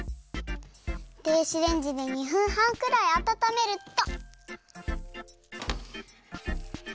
電子レンジで２分はんくらいあたためるっと！